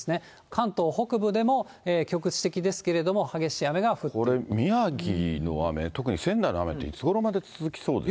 関東北部でも局地的ですけれども、これ、宮城の雨、特に仙台の雨っていつごろまで続きそうですか。